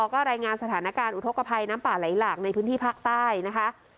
ก็รายงานสถานการณ์อุทธกภัยน้ำป่าไหลหลากในพื้นที่ภาคใต้นะคะ